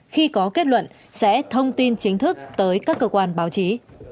khi có kết luận sẽ thông tin chính thức tới các cơ quan báo chí